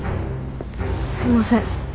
すいません。